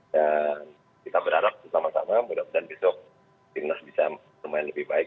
dan kita berharap bersama sama mudah mudahan besok timnas bisa lumayan lebih baik